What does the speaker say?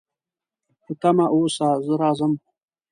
په تمه اوسه، زه راځم